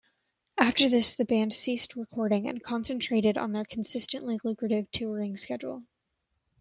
After this, the band ceased recording and concentrated on their consistently lucrative touring schedule.